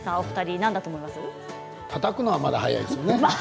たたくのはまだ早いですよね。